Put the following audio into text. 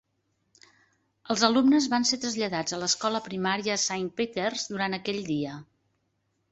Els alumnes van ser traslladats a l'Escola Primària Saint Peters durant aquell dia.